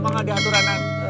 mak gak ada aturanan